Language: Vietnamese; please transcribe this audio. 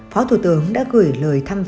phó thủ tướng đã gửi lời